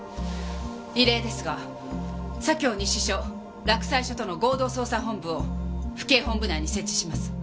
異例ですが左京西署洛西署との合同捜査本部を府警本部内に設置します。